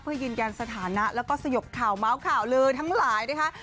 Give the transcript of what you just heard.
เพื่อยืนยันสถานะแล้วก็สยุกข่าวมาวข่าวเรือทั้งหลาย